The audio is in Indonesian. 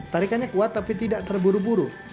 tarikannya kuat tapi tidak terburu buru